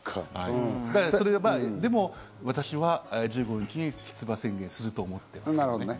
でも、私は１５日に出馬宣言すると思ってますけどね。